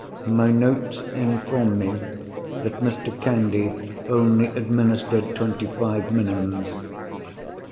My notes inform me that Mr. Candy only administered twenty five minims.